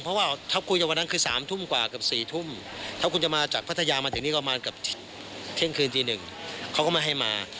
เพราะว่าถ้าคุยวันนั้นคือสามทุ่มกว่ากับสี่ทุ่มถ้าคุณจะมาจากพัทยามาถึงนี่ก็ประมาณกับเช่นคืนตีหนึ่งเขาก็มาให้มา